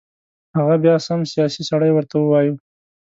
هغه بیا سم سیاسي سړی ورته ووایو.